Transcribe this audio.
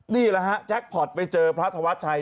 นี่แหละฮะแจ็คพอร์ตไปเจอพระธวัชชัย